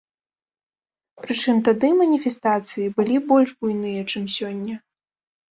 Прычым тады маніфестацыі былі больш буйныя, чым сёння.